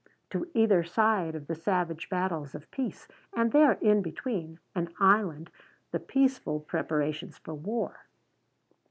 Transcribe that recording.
To either side the savage battles of peace, and there in between an island the peaceful preparations for war.